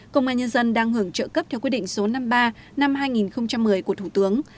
công an nhân dân đang hưởng trợ cấp theo quy định số năm mươi ba năm hai nghìn một mươi của thủ tướng